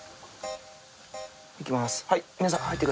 いきます。